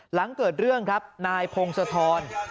หลังเกิดเรื่องครับนายพงศธร